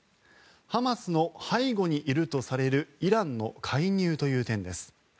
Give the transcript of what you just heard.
ハマスの背後にいるとされるイランの介入という点です。